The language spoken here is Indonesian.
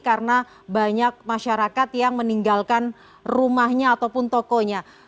karena banyak masyarakat yang meninggalkan rumahnya ataupun tokonya